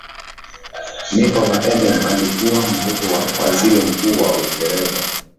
nichola eden alikuwa mtoto wa waziri mkuu wa uingereza